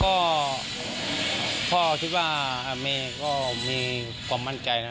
อ๋อก็พ่อคิดว่าอ่าเมย์ก็มีความมั่นใจนะ